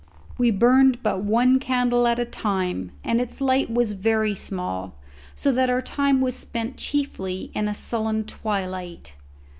We burned but one candle at a time, and its light was very small, so that our time was spent chiefly in a sullen twilight.